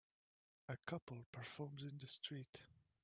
A couple performs in the street.